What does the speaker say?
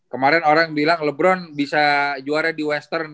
kemarin orang bilang lebron bisa juara di western